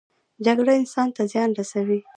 جګړه انسان ته زیان رسوي